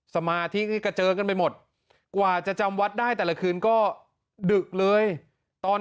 สมาธิกระเจิงกันไปหมดกว่าจะจำวัดได้แต่ละคืนก็ดึกเลยตอน